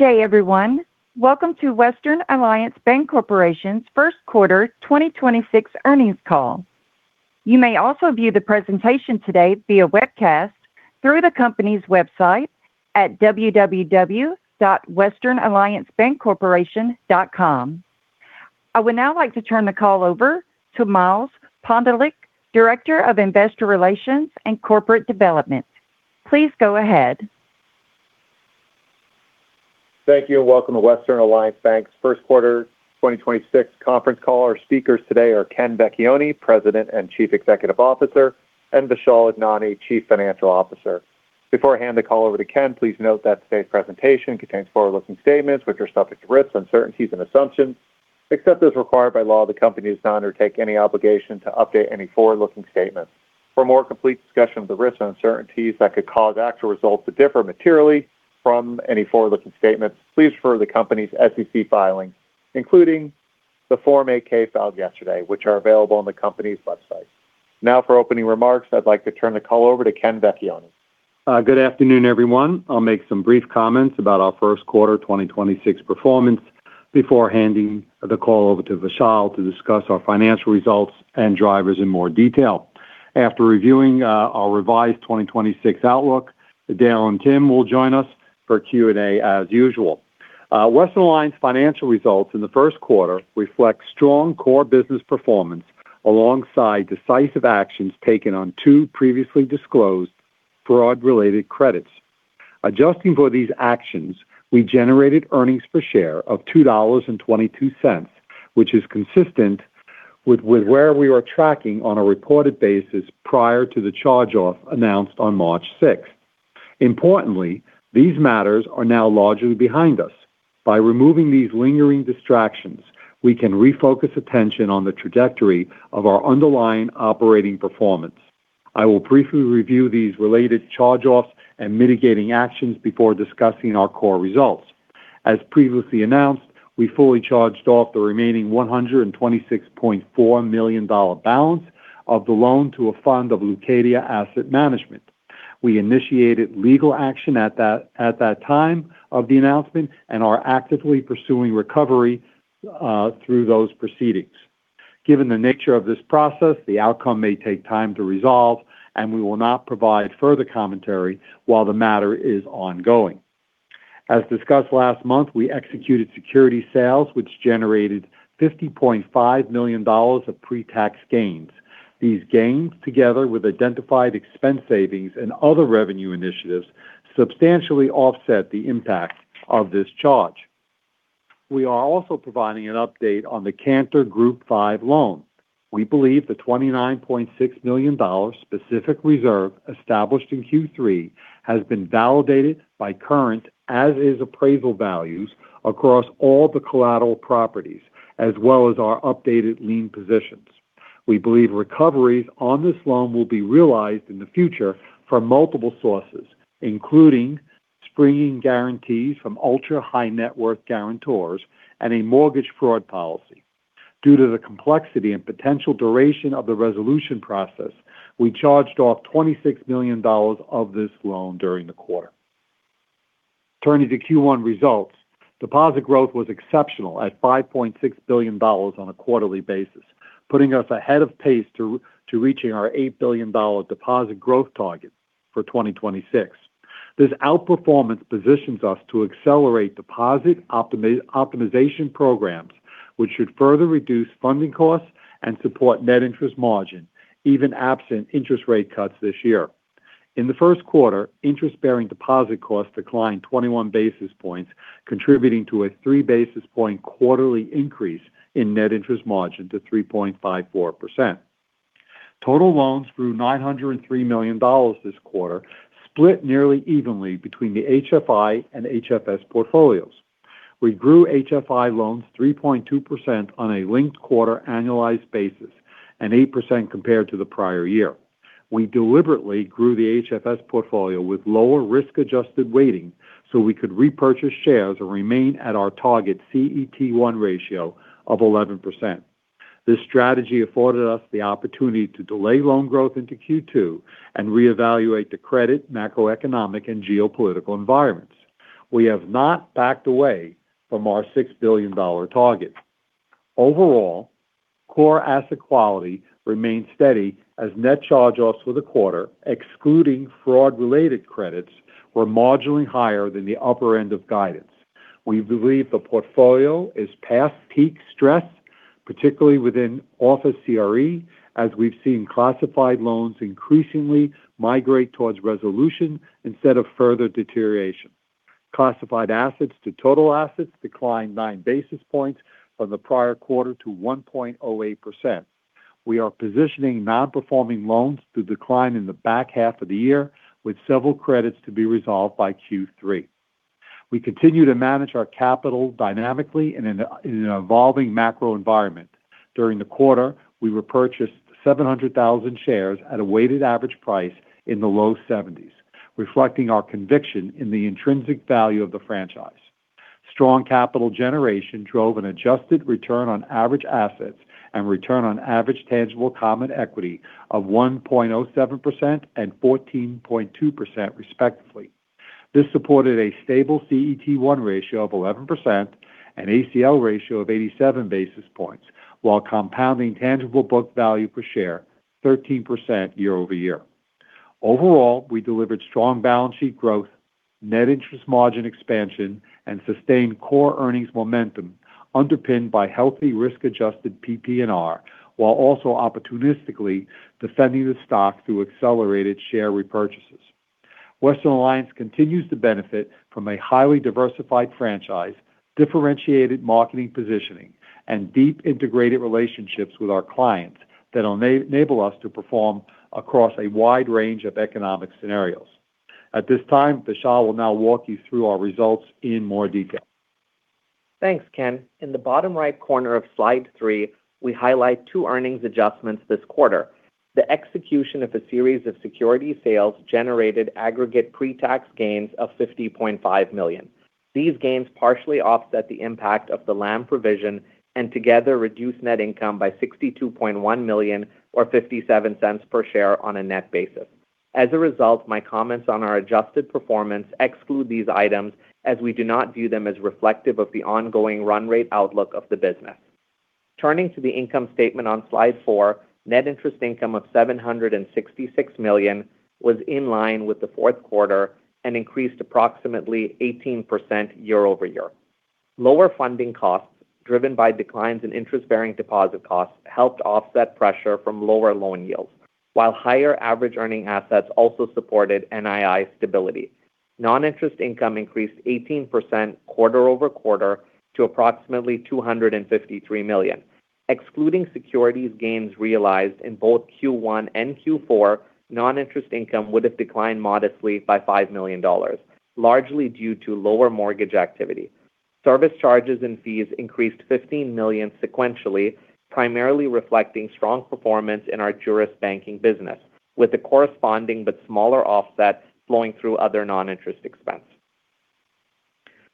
Good day, everyone. Welcome to Western Alliance Bancorporation's first quarter 2026 earnings call. You may also view the presentation today via webcast through the company's website at www.westernalliancebancorporation.com. I would now like to turn the call over to Miles Pondelik, Director of Investor Relations and Corporate Development. Please go ahead. Thank you, and welcome to Western Alliance Bank's first quarter 2026 conference call. Our speakers today are Ken Vecchione, President and Chief Executive Officer, and Vishal Idnani, Chief Financial Officer. Before I hand the call over to Ken, please note that today's presentation contains forward-looking statements which are subject to risks, uncertainties, and assumptions. Except as required by law, the company does not undertake any obligation to update any forward-looking statements. For a more complete discussion of the risks and uncertainties that could cause actual results to differ materially from any forward-looking statements, please refer to the company's SEC filings, including the Form 8-K filed yesterday, which are available on the company's website. Now for opening remarks, I'd like to turn the call over to Ken Vecchione. Good afternoon, everyone. I'll make some brief comments about our first quarter 2026 performance before handing the call over to Vishal to discuss our financial results and drivers in more detail. After reviewing our revised 2026 outlook, Dale and Tim will join us for Q&A as usual. Western Alliance financial results in the first quarter reflect strong core business performance alongside decisive actions taken on two previously disclosed fraud-related credits. Adjusting for these actions, we generated earnings per share of $2.22, which is consistent with where we are tracking on a reported basis prior to the charge-off announced on March 6th. Importantly, these matters are now largely behind us. By removing these lingering distractions, we can refocus attention on the trajectory of our underlying operating performance. I will briefly review these related charge-offs and mitigating actions before discussing our core results. As previously announced, we fully charged off the remaining $126.4 million balance of the loan to a fund of Leucadia Asset Management. We initiated legal action at that time of the announcement and are actively pursuing recovery through those proceedings. Given the nature of this process, the outcome may take time to resolve, and we will not provide further commentary while the matter is ongoing. As discussed last month, we executed security sales, which generated $50.5 million of pre-tax gains. These gains, together with identified expense savings and other revenue initiatives, substantially offset the impact of this charge. We are also providing an update on the Cantor Group Five loan. We believe the $29.6 million specific reserve established in Q3 has been validated by current as-is appraisal values across all the collateral properties, as well as our updated lien positions. We believe recoveries on this loan will be realized in the future from multiple sources, including springing guarantees from ultra-high net worth guarantors and a mortgage fraud policy. Due to the complexity and potential duration of the resolution process, we charged off $26 million of this loan during the quarter. Turning to Q1 results, deposit growth was exceptional at $5.6 billion on a quarterly basis, putting us ahead of pace to reaching our $8 billion deposit growth target for 2026. This outperformance positions us to accelerate deposit optimization programs, which should further reduce funding costs and support net interest margin, even absent interest rate cuts this year. In the first quarter, interest-bearing deposit costs declined 21 basis points, contributing to a three basis point quarterly increase in net interest margin to 3.54%. Total loans grew $903 million this quarter, split nearly evenly between the HFI and HFS portfolios. We grew HFI loans 3.2% on a linked quarter annualized basis and 8% compared to the prior year. We deliberately grew the HFS portfolio with lower risk-adjusted weighting so we could repurchase shares or remain at our target CET1 ratio of 11%. This strategy afforded us the opportunity to delay loan growth into Q2 and reevaluate the credit, macroeconomic, and geopolitical environments. We have not backed away from our $6 billion target. Overall, core asset quality remained steady as net charge-offs for the quarter, excluding fraud-related credits, were marginally higher than the upper end of guidance. We believe the portfolio is past peak stress, particularly within office CRE, as we've seen classified loans increasingly migrate towards resolution instead of further deterioration. Classified assets to total assets declined 9 basis points from the prior quarter to 1.08%. We are positioning non-performing loans to decline in the back half of the year, with several credits to be resolved by Q3. We continue to manage our capital dynamically in an evolving macro environment. During the quarter, we repurchased 700,000 shares at a weighted average price in the low $70s, reflecting our conviction in the intrinsic value of the franchise. Strong capital generation drove an adjusted return on average assets and return on average tangible common equity of 1.07% and 14.2% respectively. This supported a stable CET1 ratio of 11% and ACL ratio of 87 basis points while compounding tangible book value per share 13% year-over-year. Overall, we delivered strong balance sheet growth, net interest margin expansion, and sustained core earnings momentum underpinned by healthy risk-adjusted PPNR while also opportunistically defending the stock through accelerated share repurchases. Western Alliance continues to benefit from a highly diversified franchise, differentiated marketing positioning, and deep integrated relationships with our clients that enable us to perform across a wide range of economic scenarios. At this time, Vishal will now walk you through our results in more detail. Thanks, Ken. In the bottom right corner of Slide 3, we highlight two earnings adjustments this quarter. The execution of a series of security sales generated aggregate pretax gains of $50.5 million. These gains partially offset the impact of the LAM provision and together reduced net income by $62.1 million or $0.57 per share on a net basis. As a result, my comments on our adjusted performance exclude these items as we do not view them as reflective of the ongoing run rate outlook of the business. Turning to the income statement on Slide 4, net interest income of $766 million was in line with the fourth quarter and increased approximately 18% year-over-year. Lower funding costs driven by declines in interest-bearing deposit costs helped offset pressure from lower loan yields while higher average earning assets also supported NII stability. Non-interest income increased 18% quarter-over-quarter to approximately $253 million. Excluding securities gains realized in both Q1 and Q4, non-interest income would have declined modestly by $5 million, largely due to lower mortgage activity. Service charges and fees increased $15 million sequentially, primarily reflecting strong performance in our Juris banking business with a corresponding but smaller offset flowing through other non-interest expense.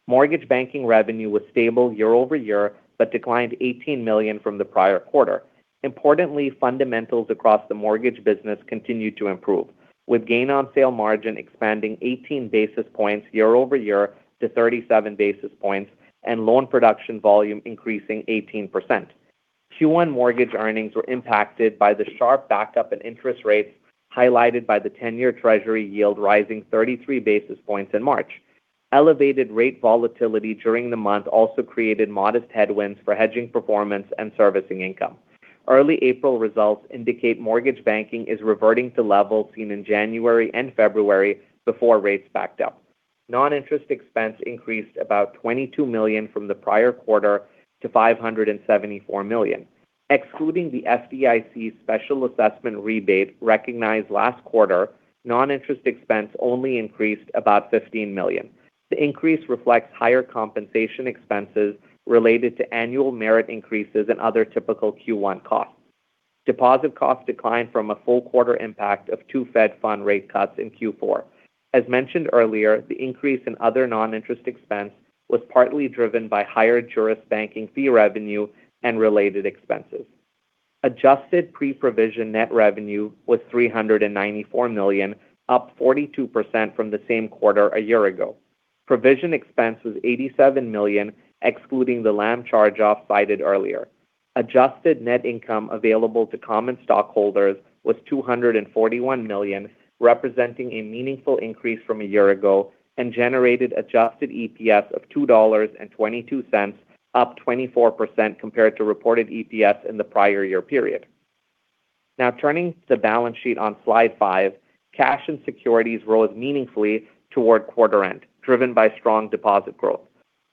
Mortgage banking revenue was stable year-over-year but declined $18 million from the prior quarter. Importantly, fundamentals across the mortgage business continued to improve with gain on sale margin expanding 18 basis points year-over-year to 37 basis points and loan production volume increasing 18%. Q1 mortgage earnings were impacted by the sharp backup in interest rates highlighted by the 10-year Treasury yield rising 33 basis points in March. Elevated rate volatility during the month also created modest headwinds for hedging performance and servicing income. Early April results indicate mortgage banking is reverting to levels seen in January and February before rates backed up. Non-interest expense increased about $22 million from the prior quarter to $574 million. Excluding the FDIC special assessment rebate recognized last quarter, non-interest expense only increased about $15 million. The increase reflects higher compensation expenses related to annual merit increases and other typical Q1 costs. Deposit costs declined from a full quarter impact of two federal funds rate cuts in Q4. As mentioned earlier, the increase in other non-interest expense was partly driven by higher Juris banking fee revenue and related expenses. Adjusted pre-provision net revenue was $394 million, up 42% from the same quarter a year ago. Provision expense was $87 million, excluding the LAM charge-off cited earlier. Adjusted net income available to common stockholders was $241 million, representing a meaningful increase from a year ago and generated Adjusted EPS of $2.22, up 24% compared to reported EPS in the prior year period. Now turning to the balance sheet on slide five, cash and securities rose meaningfully toward quarter end, driven by strong deposit growth.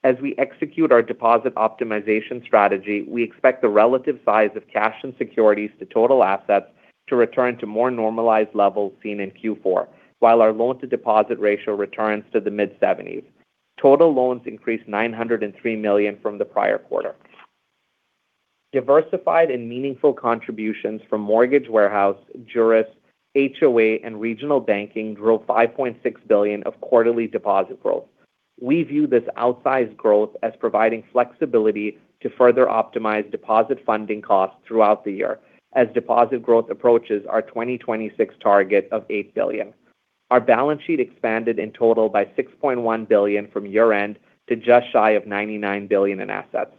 As we execute our deposit optimization strategy, we expect the relative size of cash and securities to total assets to return to more normalized levels seen in Q4 while our loan to deposit ratio returns to the mid-70s. Total loans increased $903 million from the prior quarter. Diversified and meaningful contributions from Mortgage Warehouse, Juris, HOA, and Regional Banking drove $5.6 billion of quarterly deposit growth. We view this outsized growth as providing flexibility to further optimize deposit funding costs throughout the year as deposit growth approaches our 2026 target of $8 billion. Our balance sheet expanded in total by $6.1 billion from year-end to just shy of $99 billion in assets.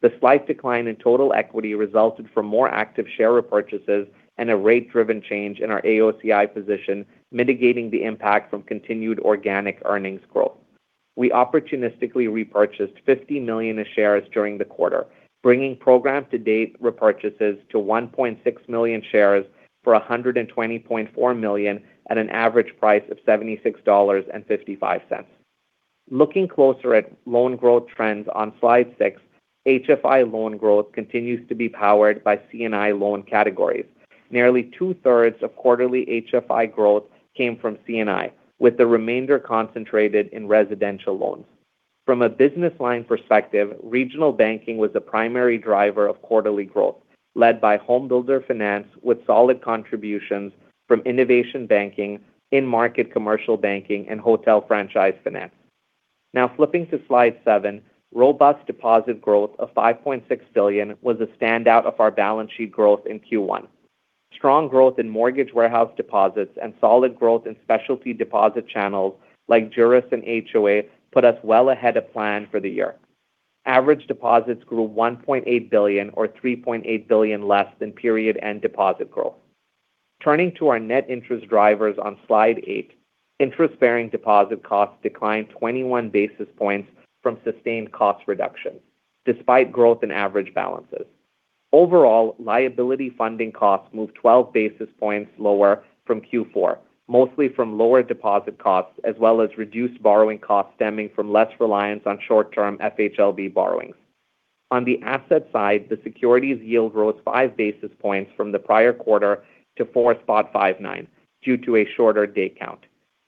The slight decline in total equity resulted from more active share repurchases and a rate-driven change in our AOCI position mitigating the impact from continued organic earnings growth. We opportunistically repurchased 50 million shares during the quarter, bringing program-to-date repurchases to 1.6 million shares for $120.4 million at an average price of $76.55. Looking closer at loan growth trends on Slide 6, HFI loan growth continues to be powered by C&I loan categories. Nearly two-thirds of quarterly HFI growth came from C&I, with the remainder concentrated in residential loans. From a business line perspective, Regional Banking was the primary driver of quarterly growth, led by homebuilder finance with solid contributions from Innovation Banking, in-market commercial banking, and Hotel Franchise Finance. Now flipping to Slide 7, robust deposit growth of $5.6 billion was a standout of our balance sheet growth in Q1. Strong growth in Mortgage Warehouse deposits and solid growth in specialty deposit channels like Juris and HOA put us well ahead of plan for the year. Average deposits grew $1.8 billion, or $3.8 billion less than period end deposit growth. Turning to our net interest drivers on Slide 8, interest-bearing deposit costs declined 21 basis points from sustained cost reductions despite growth in average balances. Overall, liability funding costs moved 12 basis points lower from Q4, mostly from lower deposit costs, as well as reduced borrowing costs stemming from less reliance on short-term FHLB borrowings. On the asset side, the securities yield rose 5 basis points from the prior quarter to 4.59% due to a shorter day count.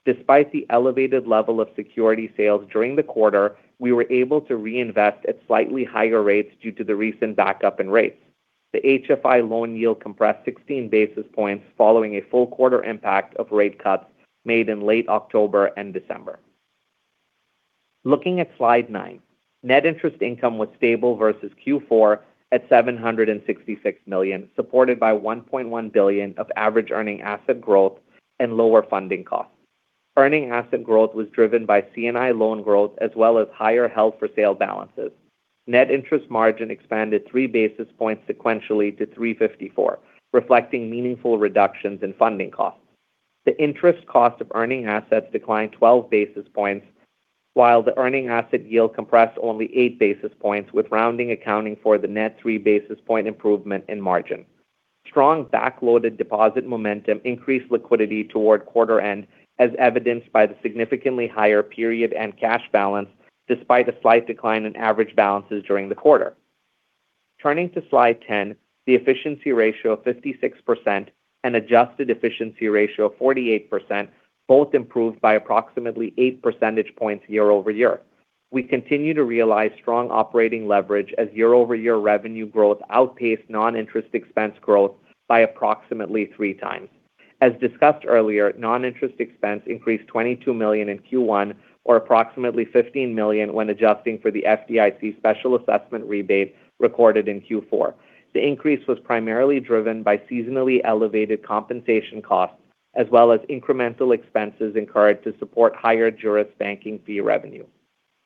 Despite the elevated level of security sales during the quarter, we were able to reinvest at slightly higher rates due to the recent backup in rates. The HFI loan yield compressed 16 basis points following a full quarter impact of rate cuts made in late October and December. Looking at Slide 9, net interest income was stable versus Q4 at $766 million, supported by $1.1 billion of average earning asset growth and lower funding costs. Earning asset growth was driven by C&I loan growth, as well as higher held-for-sale balances. Net interest margin expanded 3 basis points sequentially to 3.54%, reflecting meaningful reductions in funding costs. The interest cost of earning assets declined 12 basis points while the earning asset yield compressed only 8 basis points, with rounding accounting for the net 3 basis point improvement in margin. Strong backloaded deposit momentum increased liquidity toward quarter end, as evidenced by the significantly higher period-end cash balance despite a slight decline in average balances during the quarter. Turning to slide 10, the efficiency ratio of 56% and adjusted efficiency ratio of 48%, both improved by approximately 8 percentage points year-over-year. We continue to realize strong operating leverage as year-over-year revenue growth outpaced non-interest expense growth by approximately three times. As discussed earlier, non-interest expense increased $22 million in Q1 or approximately $15 million when adjusting for the FDIC special assessment rebate recorded in Q4. The increase was primarily driven by seasonally elevated compensation costs, as well as incremental expenses incurred to support higher Juris banking fee revenue.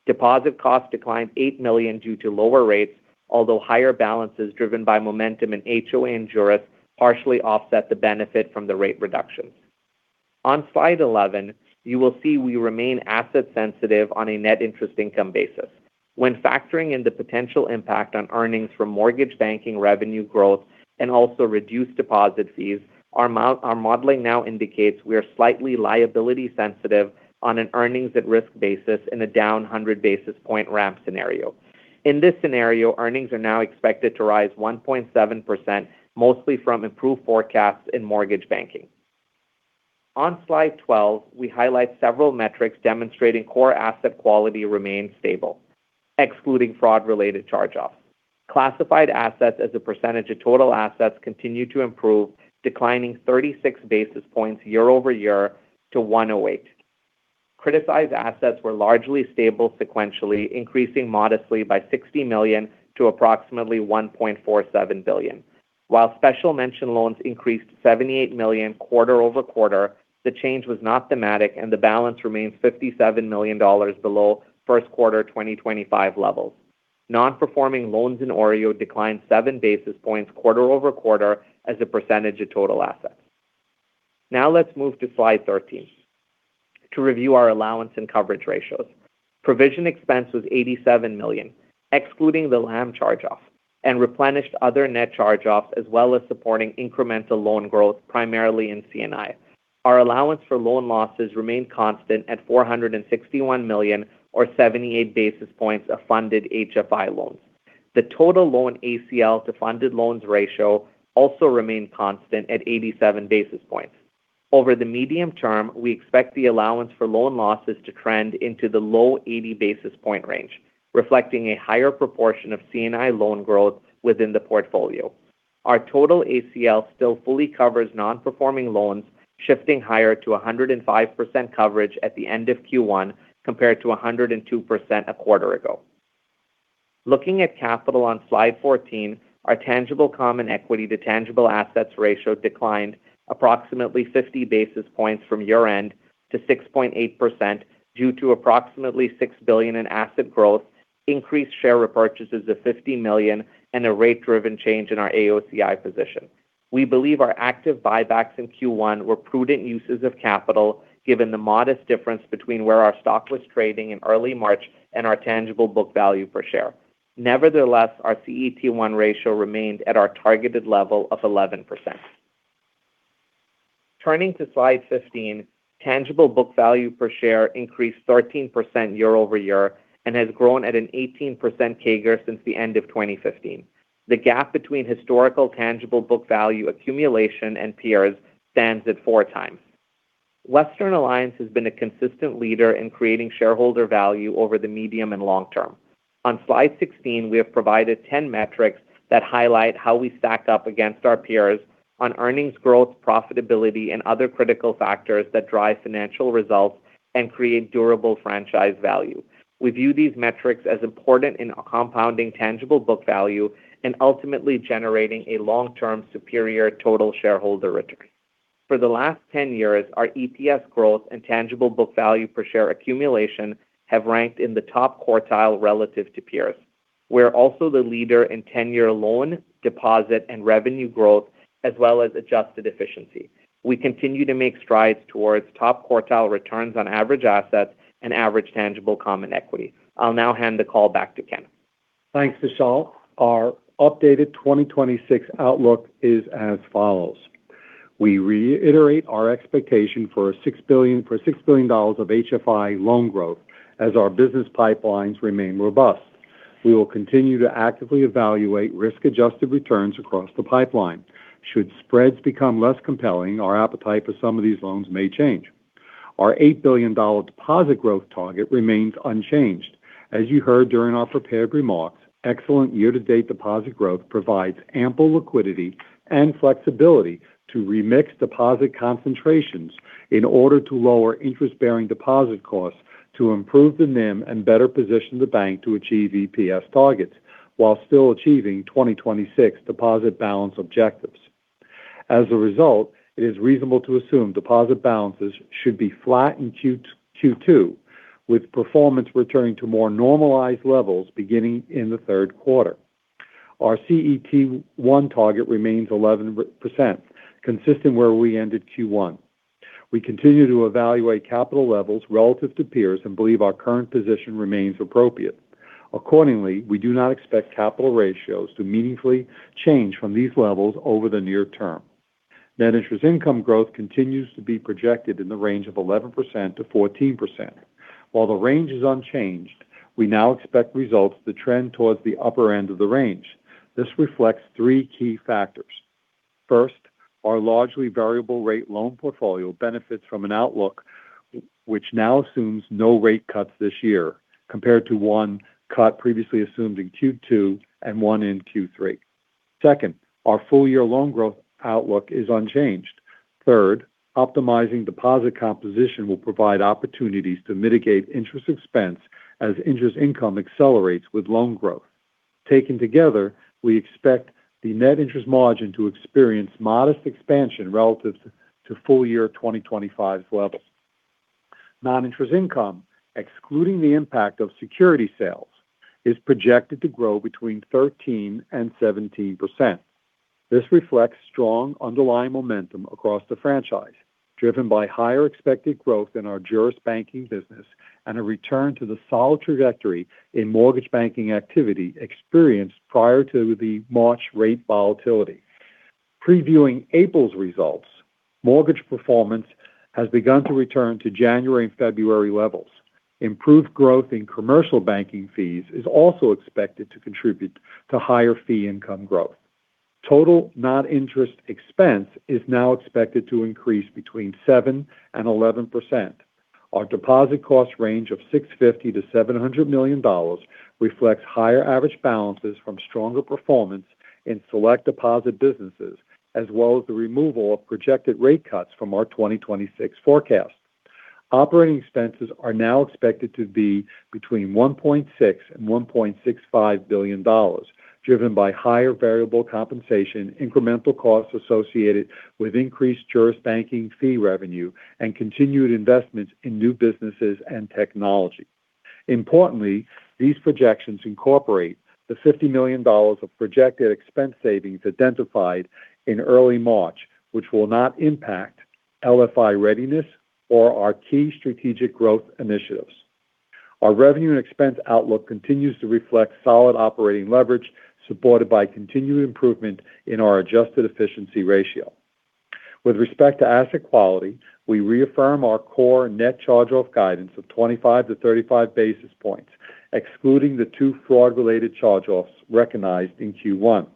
Deposit costs declined $8 million due to lower rates, although higher balances driven by momentum in HOA and Juris partially offset the benefit from the rate reductions. On Slide 11, you will see we remain asset sensitive on a net interest income basis. When factoring in the potential impact on earnings from mortgage banking revenue growth and also reduced deposit fees, our modeling now indicates we are slightly liability sensitive on an earnings at risk basis in a down 100 basis point ramp scenario. In this scenario, earnings are now expected to rise 1.7%, mostly from improved forecasts in mortgage banking. On slide 12, we highlight several metrics demonstrating core asset quality remains stable, excluding fraud-related charge-offs. Classified assets as a percentage of total assets continue to improve, declining 36 basis points year-over-year to 108. Criticized assets were largely stable sequentially, increasing modestly by $60 million to approximately $1.47 billion. While special mention loans increased $78 million quarter-over-quarter, the change was not thematic and the balance remains $57 million below first quarter 2025 levels. Non-performing loans in OREO declined 7 basis points quarter-over-quarter as a percentage of total assets. Now let's move to Slide 13 to review our allowance and coverage ratios. Provision expense was $87 million, excluding the LAM charge-off, and replenished other net charge-offs, as well as supporting incremental loan growth, primarily in C&I. Our allowance for loan losses remained constant at $461 million, or 78 basis points of funded HFI loans. The total loan ACL to funded loans ratio also remained constant at 87 basis points. Over the medium term, we expect the allowance for loan losses to trend into the low 80 basis point range, reflecting a higher proportion of C&I loan growth within the portfolio. Our total ACL still fully covers non-performing loans, shifting higher to 105% coverage at the end of Q1 compared to 102% a quarter ago. Looking at capital on Slide 14, our tangible common equity to tangible assets ratio declined approximately 50 basis points from year-end to 6.8% due to approximately $6 billion in asset growth, increased share repurchases of $50 million, and a rate-driven change in our AOCI position. We believe our active buybacks in Q1 were prudent uses of capital, given the modest difference between where our stock was trading in early March and our tangible book value per share. Nevertheless, our CET1 ratio remained at our targeted level of 11%. Turning to Slide 15, tangible book value per share increased 13% year over year and has grown at an 18% CAGR since the end of 2015. The gap between historical tangible book value accumulation and peers stands at four times. Western Alliance has been a consistent leader in creating shareholder value over the medium and long term. On slide 16, we have provided 10 metrics that highlight how we stack up against our peers on earnings growth, profitability, and other critical factors that drive financial results and create durable franchise value. We view these metrics as important in compounding tangible book value and ultimately generating a long-term superior total shareholder return. For the last 10 years, our EPS growth and tangible book value per share accumulation have ranked in the top quartile relative to peers. We're also the leader in 10-year loan, deposit, and revenue growth, as well as adjusted efficiency. We continue to make strides towards top quartile returns on average assets and average tangible common equity. I'll now hand the call back to Ken. Thanks, Vishal. Our updated 2026 outlook is as follows. We reiterate our expectation for $6 billion of HFI loan growth as our business pipelines remain robust. We will continue to actively evaluate risk-adjusted returns across the pipeline. Should spreads become less compelling, our appetite for some of these loans may change. Our $8 billion deposit growth target remains unchanged. As you heard during our prepared remarks, excellent year-to-date deposit growth provides ample liquidity and flexibility to remix deposit concentrations in order to lower interest-bearing deposit costs to improve the NIM and better position the bank to achieve EPS targets while still achieving 2026 deposit balance objectives. As a result, it is reasonable to assume deposit balances should be flat in Q2, with performance returning to more normalized levels beginning in the third quarter. Our CET1 target remains 11%, consistent where we ended Q1. We continue to evaluate capital levels relative to peers and believe our current position remains appropriate. Accordingly, we do not expect capital ratios to meaningfully change from these levels over the near term. Net interest income growth continues to be projected in the range of 11%-14%. While the range is unchanged, we now expect results to trend towards the upper end of the range. This reflects three key factors. First, our largely variable rate loan portfolio benefits from an outlook which now assumes no rate cuts this year compared to one cut previously assumed in Q2 and one in Q3. Second, our full-year loan growth outlook is unchanged. Third, optimizing deposit composition will provide opportunities to mitigate interest expense as interest income accelerates with loan growth. Taken together, we expect the net interest margin to experience modest expansion relative to full-year 2025 levels. Non-interest income, excluding the impact of security sales, is projected to grow 13%-17%. This reflects strong underlying momentum across the franchise, driven by higher expected growth in our Juris Banking business and a return to the solid trajectory in mortgage banking activity experienced prior to the March rate volatility. Previewing April's results, mortgage performance has begun to return to January and February levels. Improved growth in commercial banking fees is also expected to contribute to higher fee income growth. Total non-interest expense is now expected to increase 7%-11%. Our deposit cost range of $650 million-$700 million reflects higher average balances from stronger performance in select deposit businesses, as well as the removal of projected rate cuts from our 2026 forecast. Operating expenses are now expected to be between $1.6 billion-$1.65 billion, driven by higher variable compensation, incremental costs associated with increased Juris Banking fee revenue, and continued investments in new businesses and technology. Importantly, these projections incorporate the $50 million of projected expense savings identified in early March, which will not impact LFI readiness or our key strategic growth initiatives. Our revenue and expense outlook continues to reflect solid operating leverage, supported by continued improvement in our adjusted efficiency ratio. With respect to asset quality, we reaffirm our core net charge-off guidance of 25-35 basis points, excluding the two fraud-related charge-offs recognized in Q1.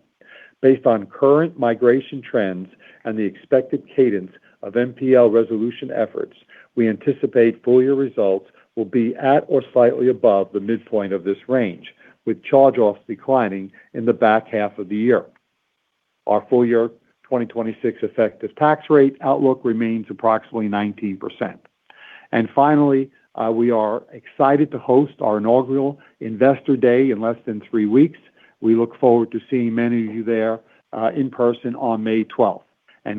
Based on current migration trends and the expected cadence of NPL resolution efforts, we anticipate full-year results will be at or slightly above the midpoint of this range, with charge-offs declining in the back half of the year. Our full-year 2026 effective tax rate outlook remains approximately 19%. Finally, we are excited to host our inaugural Investor Day in less than three weeks. We look forward to seeing many of you there in person on May 12th.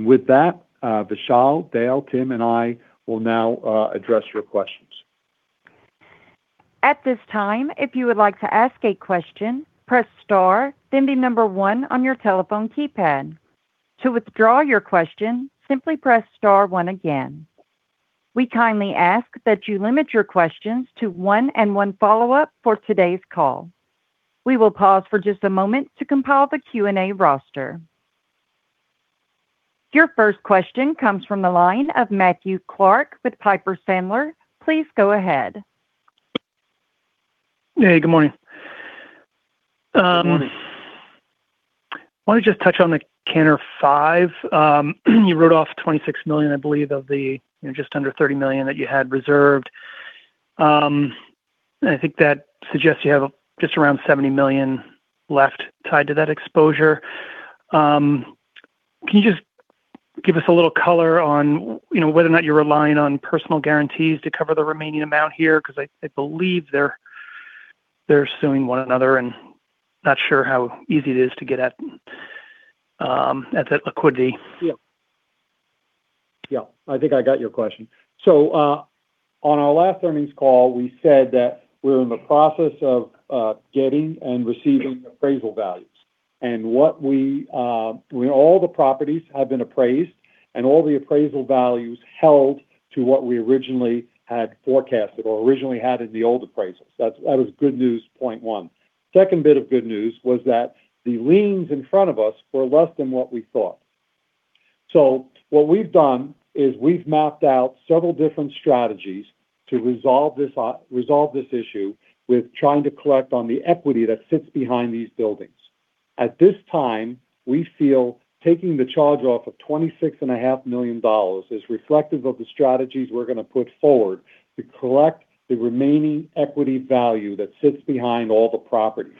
With that, Vishal, Dale, Tim, and I will now address your questions. At this time, if you would like to ask a question, press star, then the number one on your telephone keypad. To withdraw your question, simply press star one again. We kindly ask that you limit your questions to one and one follow-up for today's call. We will pause for just a moment to compile the Q&A roster. Your first question comes from the line of Matthew Clark with Piper Sandler. Please go ahead. Hey, good morning. want to just touch on the Cantor Five. You wrote off $26 million, I believe, of the just under $30 million that you had reserved. I think that suggests you have just around $70 million left tied to that exposure. Can you just give us a little color on whether or not you're relying on personal guarantees to cover the remaining amount here? Because I believe they're suing one another, and not sure how easy it is to get at that liquidity. Yeah. I think I got your question. On our last earnings call, we said that we're in the process of getting and receiving appraisal values. All the properties have been appraised and all the appraisal values held to what we originally had forecasted or originally had in the old appraisals. That was good news, point one. Second bit of good news was that the liens in front of us were less than what we thought. What we've done is we've mapped out several different strategies to resolve this issue with trying to collect on the equity that sits behind these buildings. At this time, we feel taking the charge off of $26.5 million is reflective of the strategies we're going to put forward to collect the remaining equity value that sits behind all the properties.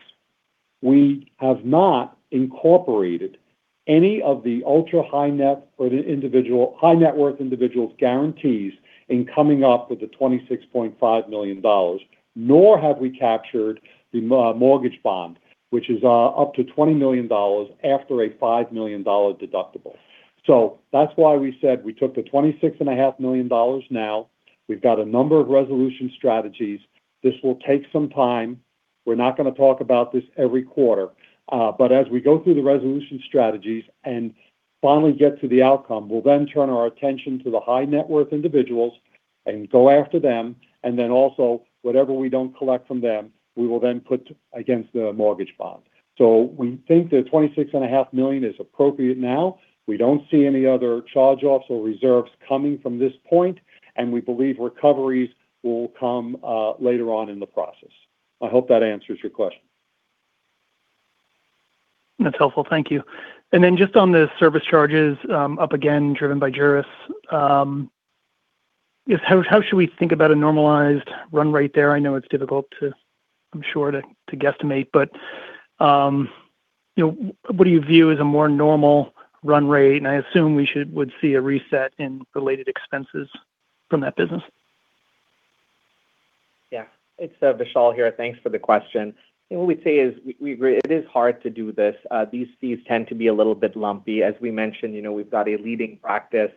We have not incorporated any of the ultra high-net-worth individuals guarantees in coming up with the $26.5 million, nor have we captured the mortgage bond, which is up to $20 million after a $5 million deductible. That's why we said we took the $26.5 million now. We've got a number of resolution strategies. This will take some time. We're not going to talk about this every quarter. As we go through the resolution strategies and finally get to the outcome, we'll then turn our attention to the high-net-worth individuals and go after them, and then also whatever we don't collect from them, we will then put against the mortgage bond. We think the $26.5 million is appropriate now. We don't see any other charge-offs or reserves coming from this point, and we believe recoveries will come later on in the process. I hope that answers your question. That's helpful. Thank you. Just on the service charges up again driven by Juris. How should we think about a normalized run rate there? I know it's difficult to, I'm sure, to guesstimate, but what do you view as a more normal run rate? I assume we would see a reset in related expenses from that business. Yeah. It's Vishal here. Thanks for the question. What we'd say is we agree, it is hard to do this. These fees tend to be a little bit lumpy. As we mentioned, we've got a leading practice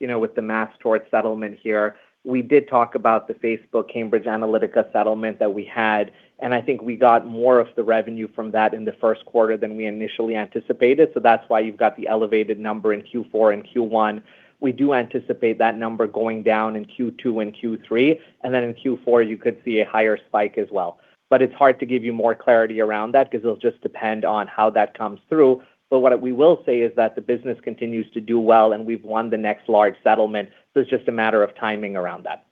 with the mass tort settlement here. We did talk about the Facebook Cambridge Analytica settlement that we had, and I think we got more of the revenue from that in the first quarter than we initially anticipated. That's why you've got the elevated number in Q4 and Q1. We do anticipate that number going down in Q2 and Q3, and then in Q4 you could see a higher spike as well. It's hard to give you more clarity around that because it'll just depend on how that comes through. what we will say is that the business continues to do well, and we've won the next large settlement, so it's just a matter of timing around that.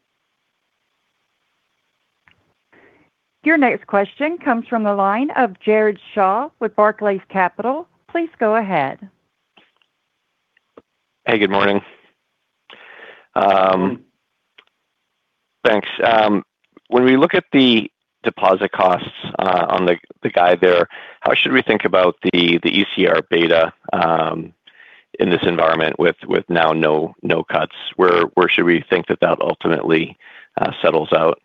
Your next question comes from the line of Jared Shaw with Barclays Capital. Please go ahead. Hey, good morning. Thanks. When we look at the deposit costs on the guide there, how should we think about the ECR beta in this environment with now no cuts? Where should we think that ultimately settles out?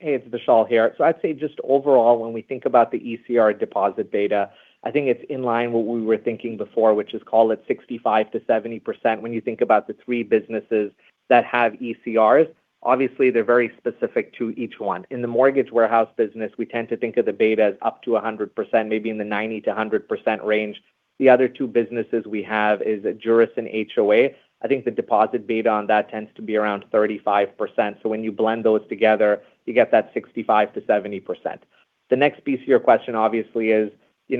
Yeah. Hey, it's Vishal here. I'd say just overall, when we think about the ECR deposit beta, I think it's in line with what we were thinking before, which is call it 65%-70%. When you think about the three businesses that have ECRs, obviously they're very specific to each one. In the mortgage warehouse business, we tend to think of the beta as up to 100%, maybe in the 90%-100% range. The other two businesses we have is Juris and HOA. I think the deposit beta on that tends to be around 35%. When you blend those together, you get that 65%-70%. The next piece of your question obviously is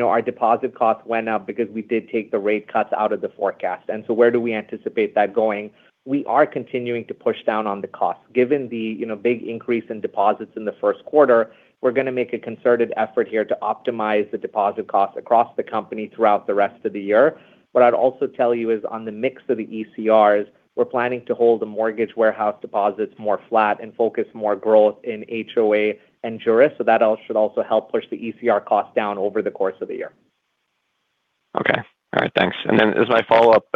our deposit costs went up because we did take the rate cuts out of the forecast. Where do we anticipate that going? We are continuing to push down on the costs. Given the big increase in deposits in the first quarter, we're going to make a concerted effort here to optimize the deposit costs across the company throughout the rest of the year. What I'd also tell you is on the mix of the ECRs, we're planning to hold the mortgage warehouse deposits more flat and focus more growth in HOA and Juris. That should also help push the ECR cost down over the course of the year. Okay. All right, thanks. As my follow-up,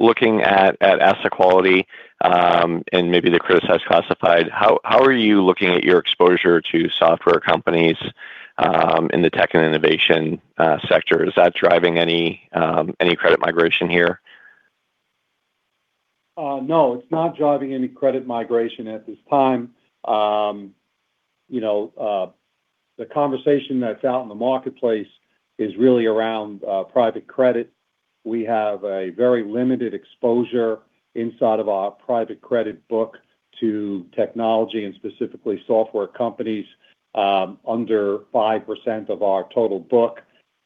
looking at asset quality, and maybe the criticized and classified, how are you looking at your exposure to software companies in the tech and innovation sector? Is that driving any credit migration here? No, it's not driving any credit migration at this time. The conversation that's out in the marketplace is really around private credit. We have a very limited exposure inside of our private credit book to technology and specifically software companies, under 5% of our total book.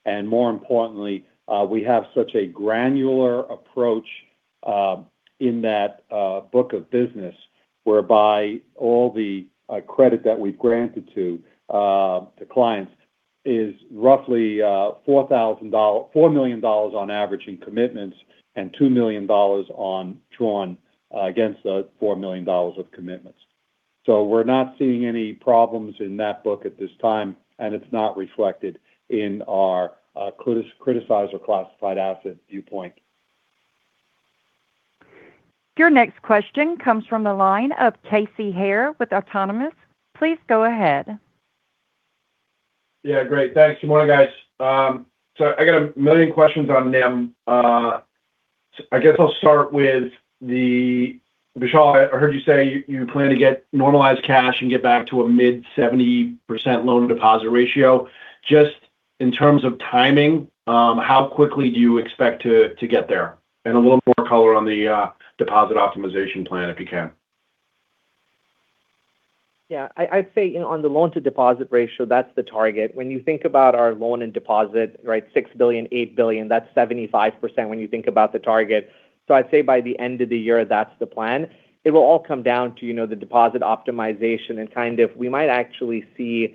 More importantly, we have such a granular approach in that book of business whereby all the credit that we've granted to the clients is roughly $4 million on average in commitments and $2 million drawn against those $4 million of commitments. We're not seeing any problems in that book at this time, and it's not reflected in our criticized or classified asset viewpoint. Your next question comes from the line of Casey Haire with Autonomous Research. Please go ahead. Yeah, great. Thanks. Good morning, guys. I've got a million questions on NIM. I guess I'll start with Vishal. I heard you say you plan to get normalized cash and get back to a mid-70% loan-to-deposit ratio. Just in terms of timing, how quickly do you expect to get there? A little more color on the deposit optimization plan, if you can. Yeah. I'd say on the loan to deposit ratio, that's the target. When you think about our loan and deposit, $6 billion, $8 billion, that's 75% when you think about the target. I'd say by the end of the year, that's the plan. It will all come down to the deposit optimization and kind of we might actually see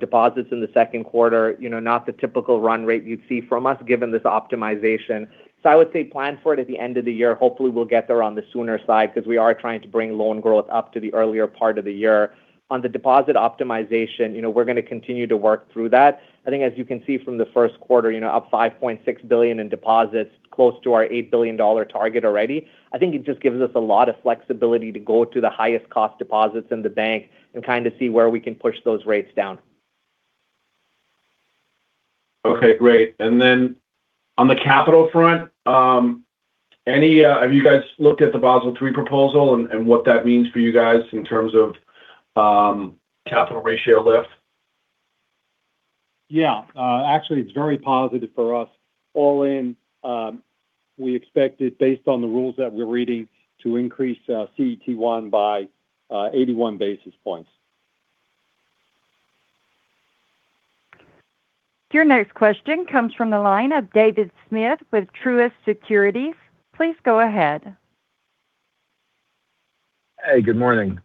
deposits in the second quarter, not the typical run rate you'd see from us given this optimization. I would say plan for it at the end of the year. Hopefully, we'll get there on the sooner side because we are trying to bring loan growth up to the earlier part of the year. On the deposit optimization, we're going to continue to work through that. I think as you can see from the first quarter, up $5.6 billion in deposits close to our $8 billion target already. I think it just gives us a lot of flexibility to go to the highest cost deposits in the bank and kind of see where we can push those rates down. Okay, great. On the capital front, have you guys looked at the Basel III proposal and what that means for you guys in terms of capital ratio lift? Yeah. Actually, it's very positive for us. All in, we expect it based on the rules that we're reading to increase our CET1 by 81 basis points. Your next question comes from the line of David Smith with Truist Securities. Please go ahead. Hey, good morning.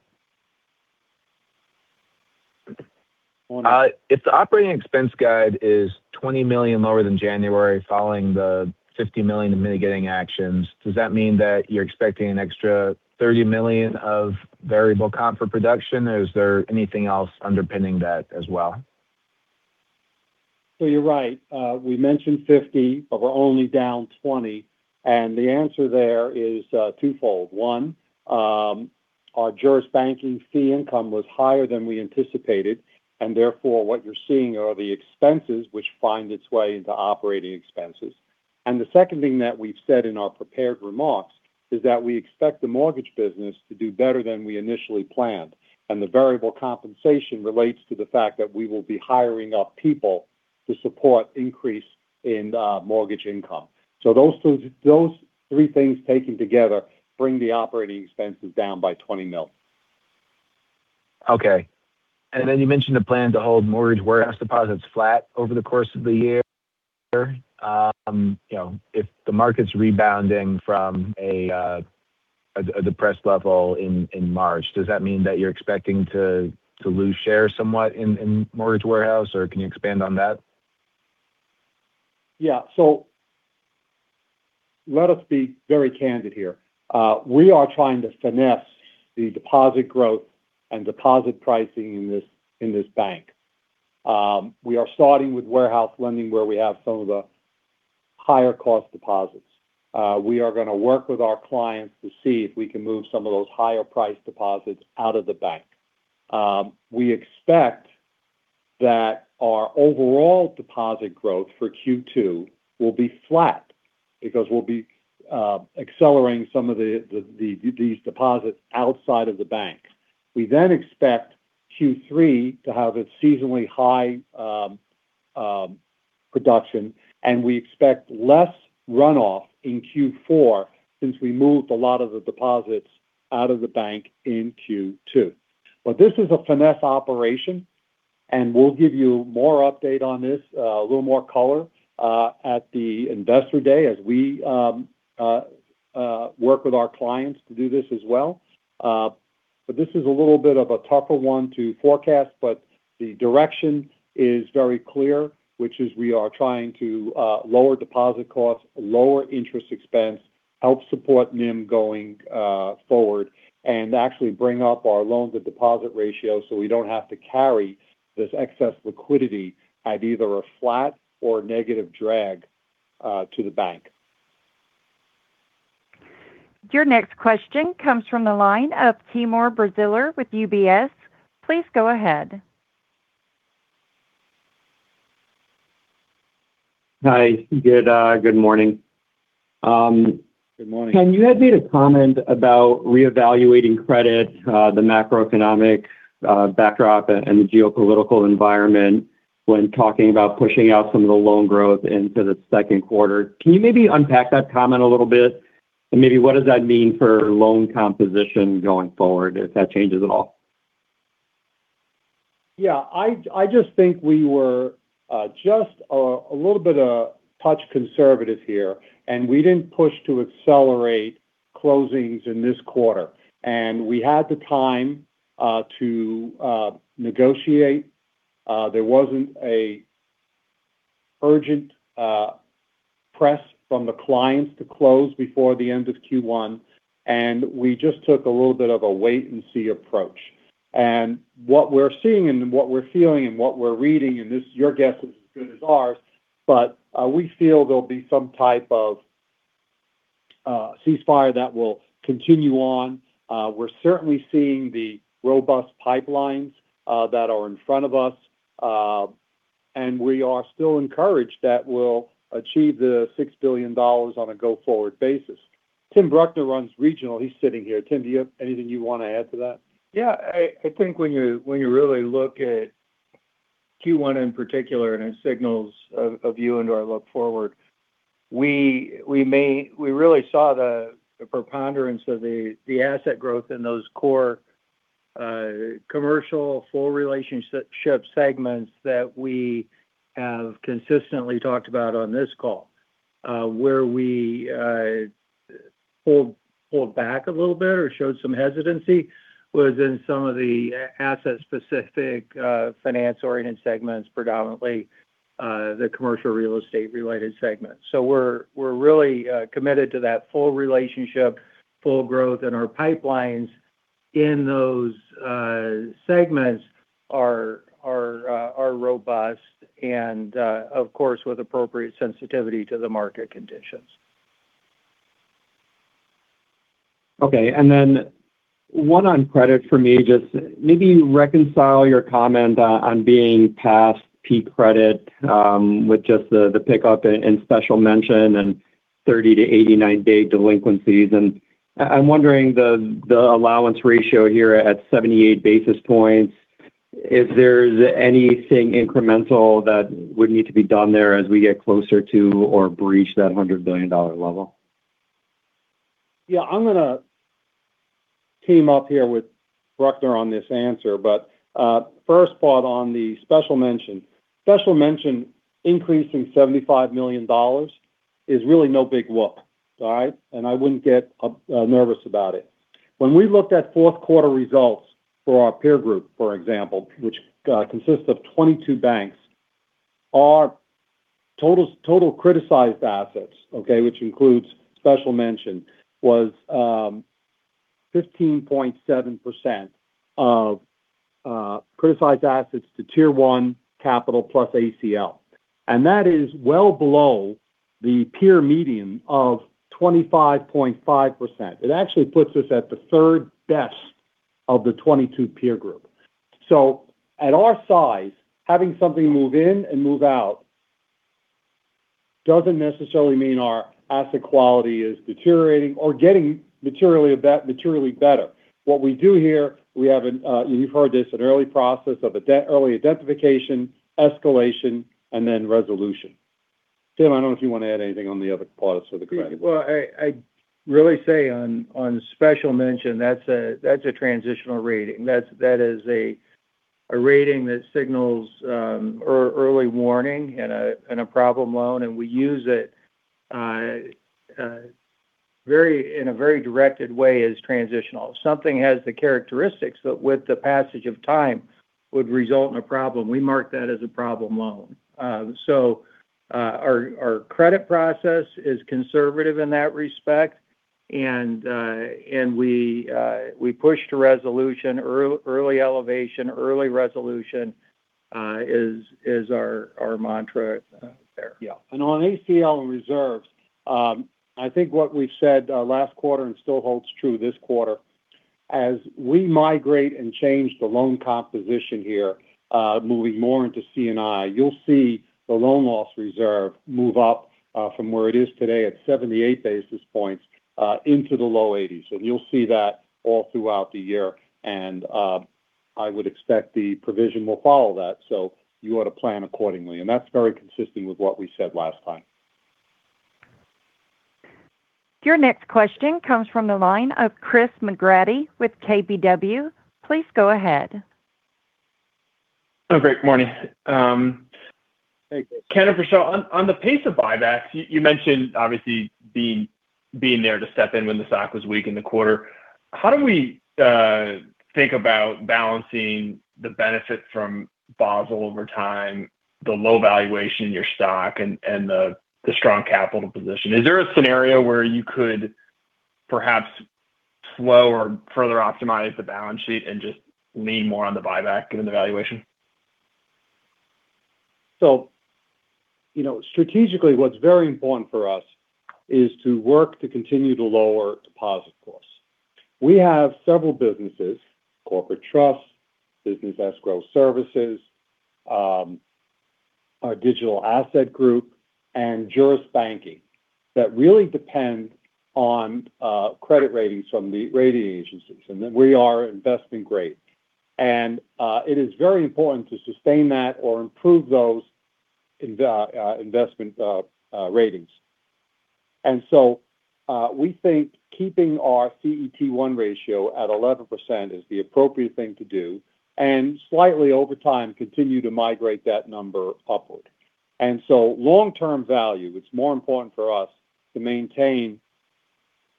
If the operating expense guide is $20 million lower than January following the $50 million in mitigating actions, does that mean that you're expecting an extra $30 million of variable comp for production, or is there anything else underpinning that as well? You're right. We mentioned 50, but we're only down 20. The answer there is twofold. One, our Juris Banking fee income was higher than we anticipated, and therefore what you're seeing are the expenses which find its way into operating expenses. The second thing that we've said in our prepared remarks is that we expect the mortgage business to do better than we initially planned. The variable compensation relates to the fact that we will be hiring up people to support increase in mortgage income. Those three things taken together bring the operating expenses down by $20 million. Okay. You mentioned the plan to hold mortgage warehouse deposits flat over the course of the year. If the market's rebounding from a depressed level in March, does that mean that you're expecting to lose share somewhat in mortgage warehouse, or can you expand on that? Yeah. Let us be very candid here. We are trying to finesse the deposit growth and deposit pricing in this bank. We are starting with warehouse lending where we have some of the higher cost deposits. We are going to work with our clients to see if we can move some of those higher price deposits out of the bank. We expect that our overall deposit growth for Q2 will be flat because we'll be accelerating some of these deposits outside of the bank. We then expect Q3 to have a seasonally high production, and we expect less runoff in Q4 since we moved a lot of the deposits out of the bank in Q2. This is a finesse operation, and we'll give you more update on this, a little more color, at the investor day as we work with our clients to do this as well. This is a little bit of a tougher one to forecast, but the direction is very clear, which is we are trying to lower deposit costs, lower interest expense, help support NIM going forward, and actually bring up our loans to deposit ratio so we don't have to carry this excess liquidity at either a flat or a negative drag to the bank. Your next question comes from the line of Timur Braziler with UBS. Please go ahead. Hi. Good morning. Good morning. Ken, you had made a comment about reevaluating credit, the macroeconomic backdrop, and the geopolitical environment when talking about pushing out some of the loan growth into the second quarter. Can you maybe unpack that comment a little bit? Maybe what does that mean for loan composition going forward if that changes at all? Yeah. I just think we were just a little bit too conservative here, and we didn't push to accelerate closings in this quarter. We had the time to negotiate. There wasn't an urgent pressure from the clients to close before the end of Q1, and we just took a little bit of a wait and see approach. What we're seeing and what we're feeling and what we're reading, and your guess is as good as ours, but we feel there'll be some type of ceasefire that will continue on. We're certainly seeing the robust pipelines that are in front of us. We are still encouraged that we'll achieve the $6 billion on a go-forward basis. Tim Bruckner runs Regional. He's sitting here. Tim, do you have anything you want to add to that? Yeah. I think when you really look at Q1 in particular, and it signals to you and our look forward, we really saw the preponderance of the asset growth in those core commercial full relationship segments that we have consistently talked about on this call. Where we pulled back a little bit or showed some hesitancy was in some of the asset-specific finance-oriented segments, predominantly the commercial real estate related segment. We're really committed to that full relationship, full growth, and our pipelines in those segments are robust and, of course, with appropriate sensitivity to the market conditions. Okay. One on credit for me, just maybe reconcile your comment on being past peak credit with just the pickup in special mention and 30- to 89-day delinquencies. I'm wondering, the allowance ratio here at 78 basis points, is there anything incremental that would need to be done there as we get closer to or breach that $100 billion level? Yeah. I'm going to team up here with Bruckner on this answer. First part on the special mention. Special mention increase in $75 million is really no big whoop. All right? I wouldn't get nervous about it. When we looked at fourth quarter results for our peer group, for example, which consists of 22 banks, our total criticized assets, okay, which includes special mention, was 15.7% of criticized assets to Tier 1 capital plus ACL. That is well below the peer median of 25.5%. It actually puts us at the third best of the 22 peer group. At our size, having something move in and move out doesn't necessarily mean our asset quality is deteriorating or getting materially better. What we do here, you've heard this, an early process of early identification, escalation, and then resolution. Tim, I don't know if you want to add anything on the other parts of the credit. Well, I'd really say on special mention, that's a transitional rating. That is a rating that signals early warning in a problem loan, and we use it in a very directed way as transitional. Something has the characteristics that, with the passage of time, would result in a problem. We mark that as a problem loan. Our credit process is conservative in that respect and we push to resolution. Early elevation, early resolution is our mantra there. Yeah. On ACL and reserves, I think what we've said last quarter and still holds true this quarter, as we migrate and change the loan composition here, moving more into C&I, you'll see the loan loss reserve move up from where it is today at 78 basis points into the low 80s. You'll see that all throughout the year. I would expect the provision will follow that. You ought to plan accordingly. That's very consistent with what we said last time. Your next question comes from the line of Christopher McGratty with KBW. Please go ahead. Good morning. Ken Vecchione or Vishal Idnani, on the pace of buybacks, you mentioned obviously being there to step in when the stock was weak in the quarter. How do we think about balancing the benefit from Basel over time, the low valuation in your stock, and the strong capital position? Is there a scenario where you could perhaps slow or further optimize the balance sheet and just lean more on the buyback given the valuation? Strategically, what's very important for us is to work to continue to lower deposit costs. We have several businesses, Corporate Trust, Business Escrow Services, our Digital Asset Group, and Juris Banking, that really depend on credit ratings from the rating agencies, and we are investment grade. It is very important to sustain that or improve those investment ratings. We think keeping our CET1 ratio at 11% is the appropriate thing to do, and slightly over time, continue to migrate that number upward. Long-term value, it's more important for us to maintain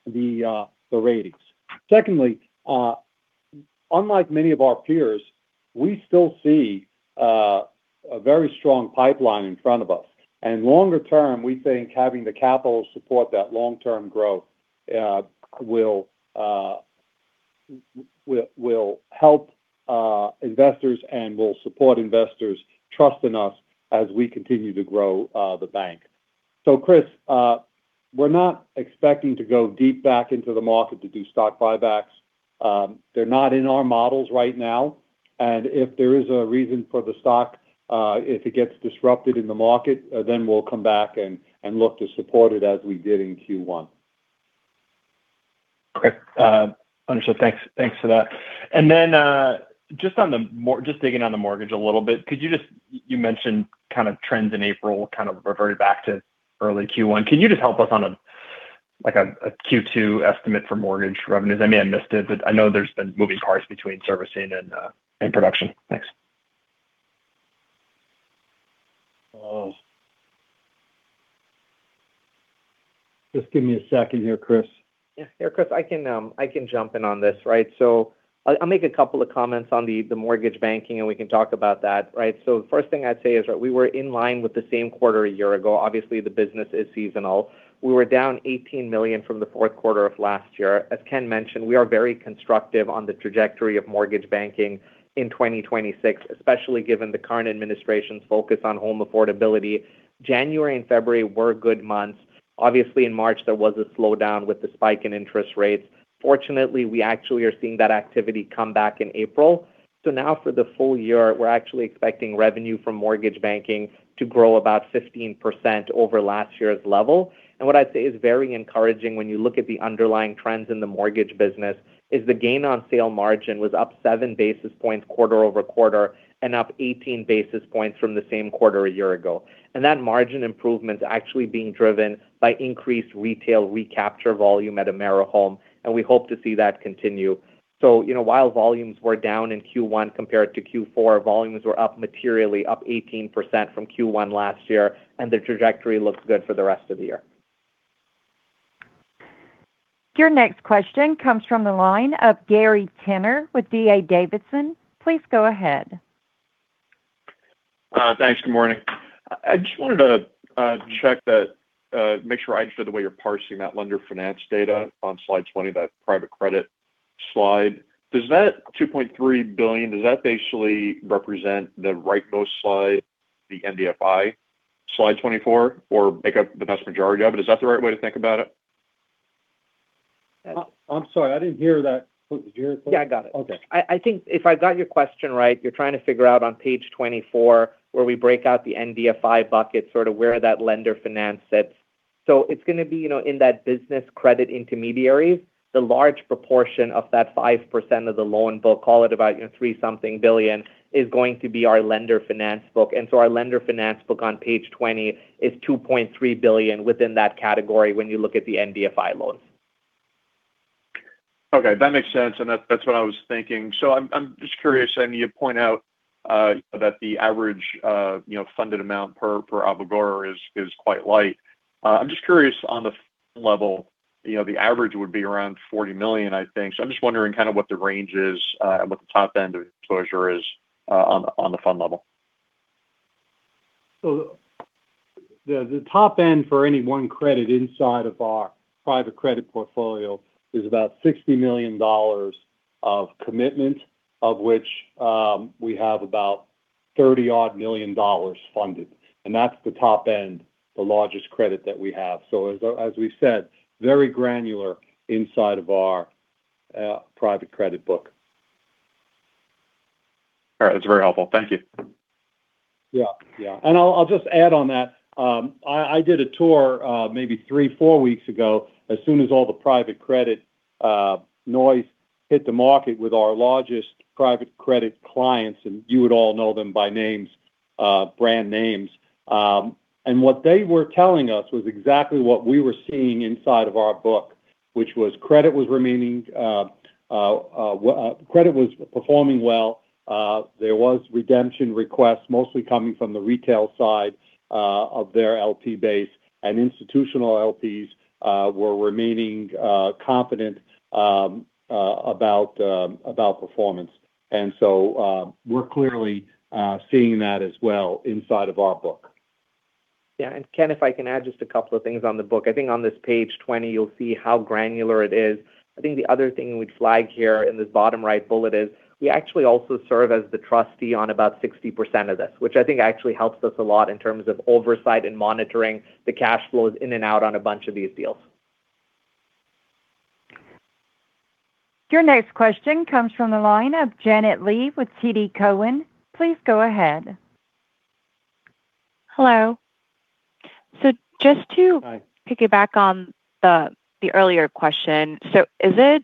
the ratings. Secondly, unlike many of our peers, we still see a very strong pipeline in front of us. Longer term, we think having the capital support that long-term growth will help investors and will support investors' trust in us as we continue to grow the bank. Chris, we're not expecting to go deep back into the market to do stock buybacks. They're not in our models right now. If there is a reason for the stock, if it gets disrupted in the market, then we'll come back and look to support it as we did in Q1. Okay. Understood. Thanks for that. Just digging on the mortgage a little bit. You mentioned trends in April kind of reverted back to early Q1. Can you just help us on a Q2 estimate for mortgage revenues? Maybe I missed it, but I know there's been moving parts between servicing and production. Thanks. Just give me a second here, Chris. Yeah. Chris, I can jump in on this. I'll make a couple of comments on the mortgage banking, and we can talk about that. The first thing I'd say is that we were in line with the same quarter a year ago. Obviously, the business is seasonal. We were down $18 million from the fourth quarter of last year. As Ken mentioned, we are very constructive on the trajectory of mortgage banking in 2026, especially given the current administration's focus on home affordability. January and February were good months. Obviously in March, there was a slowdown with the spike in interest rates. Fortunately, we actually are seeing that activity come back in April. Now for the full year, we're actually expecting revenue from mortgage banking to grow about 15% over last year's level. What I'd say is very encouraging when you look at the underlying trends in the mortgage business is the gain on sale margin was up 7 basis points quarter over quarter and up 18 basis points from the same quarter a year ago. That margin improvement's actually being driven by increased retail recapture volume at AmeriHome, and we hope to see that continue. While volumes were down in Q1 compared to Q4, volumes were up materially, up 18% from Q1 last year, and the trajectory looks good for the rest of the year. Your next question comes from the line of Gary Tenner with D.A. Davidson. Please go ahead. Thanks. Good morning. I just wanted to make sure I understood the way you're parsing that lender finance data on Slide 20, that private credit slide. Does that $2.3 billion, does that basically represent the right-most slide, the MDI Slide 24, or make up the vast majority of it? Is that the right way to think about it? I'm sorry. I didn't hear that. Was that you, Chris? Yeah, I got it. Okay. I think if I got your question right, you're trying to figure out on page 24 where we break out the MDI bucket, sort of where that lender finance sits. It's going to be in that business credit intermediaries. The large proportion of that 5% of the loan book, call it about $3 billion, is going to be our lender finance book. Our lender finance book on page 20 is $2.3 billion within that category when you look at the MDI loans. Okay. That makes sense, and that's what I was thinking. I'm just curious, and you point out that the average funded amount per obligor is quite light. I'm just curious on the fund level. The average would be around $40 million, I think. I'm just wondering kind of what the range is and what the top end of exposure is on the fund level. The top end for any one credit inside of our private credit portfolio is about $60 million of commitment, of which we have about $30-odd million funded. That's the top end, the largest credit that we have. As we've said, very granular inside of our private credit book. All right. That's very helpful. Thank you. Yeah. I'll just add on that. I did a tour maybe three, four weeks ago, as soon as all the private credit noise hit the market with our largest private credit clients, and you would all know them by names, brand names. What they were telling us was exactly what we were seeing inside of our book, which was credit was performing well. There was redemption requests mostly coming from the retail side of their LP base, and institutional LPs were remaining confident about performance. We're clearly seeing that as well inside of our book. Yeah. Ken, if I can add just a couple of things on the book. I think on this page 20, you'll see how granular it is. I think the other thing we'd flag here in this bottom right bullet is we actually also serve as the trustee on about 60% of this, which I think actually helps us a lot in terms of oversight and monitoring the cash flows in and out on a bunch of these deals. Your next question comes from the line of Janet Lee with TD Cowen. Please go ahead. Hello. Hi Piggyback on the earlier question. Is it?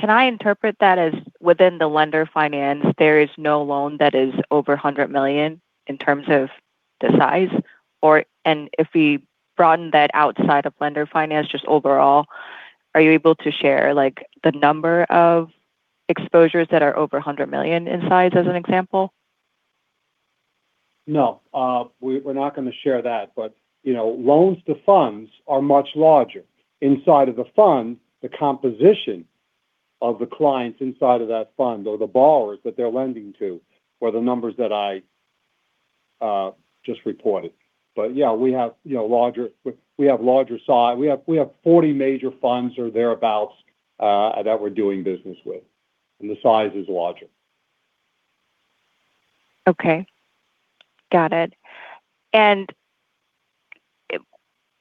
Can I interpret that as within the lender finance, there is no loan that is over $100 million in terms of the size? And if we broaden that outside of lender finance, just overall, are you able to share the number of exposures that are over $100 million in size as an example? No, we're not going to share that. Loans to funds are much larger. Inside of the fund, the composition of the clients inside of that fund or the borrowers that they're lending to were the numbers that I just reported. Yeah, we have 40 major funds or thereabout that we're doing business with, and the size is larger. Okay. Got it.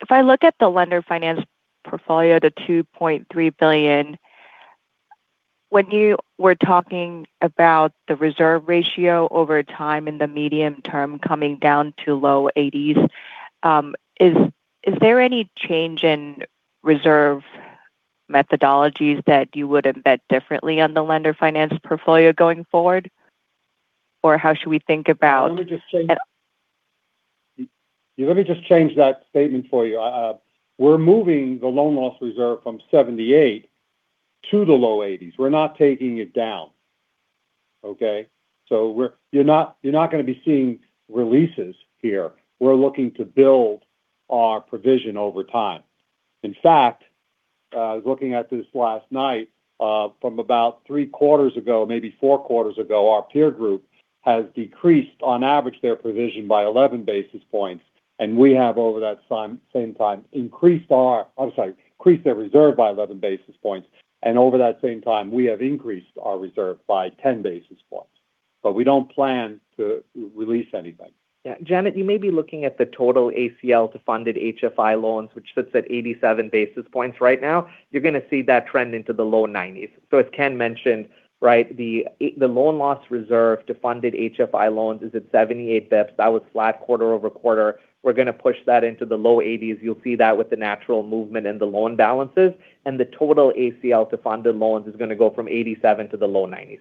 If I look at the lender finance portfolio, the $2.3 billion, when you were talking about the reserve ratio over time in the medium term coming down to low eighties, is there any change in reserve methodologies that you would embed differently on the lender finance portfolio going forward? Or how should we think about? Let me just change that statement for you. We're moving the loan loss reserve from 78 to the low 80s. We're not taking it down. Okay? You're not going to be seeing releases here. We're looking to build our provision over time. In fact, I was looking at this last night, from about three quarters ago, maybe four quarters ago, our peer group has decreased, on average, their provision by 11 basis points, and we have over that same time decreased their reserve by 11 basis points, and over that same time, we have increased our reserve by 10 basis points. We don't plan to release anything. Yeah. Janet, you may be looking at the total ACL to funded HFI loans, which sits at 87 basis points right now. You're going to see that trend into the low 90s. So as Ken mentioned, the loan loss reserve to funded HFI loans is at 78 basis points. That was flat quarter-over-quarter. We're going to push that into the low 80s. You'll see that with the natural movement in the loan balances. The total ACL to funded loans is going to go from 87 to the low 90s.